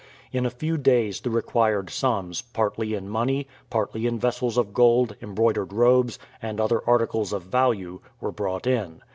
In a few days the required sums, partly in money, partly in vessels of gold, embroidered robes, and other articles of value, were brought in.